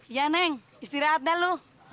iya neng istirahat dah lo